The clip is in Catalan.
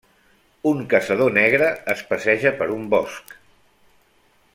Un caçador negre es passeja per un bosc.